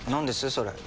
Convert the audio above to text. それ。